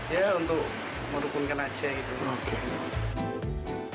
ya untuk merukunkan aja gitu maksudnya